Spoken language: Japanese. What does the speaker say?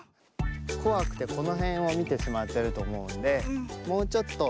こわくてこのへんをみてしまってるとおもうのでもうちょっとめせんをとおくに。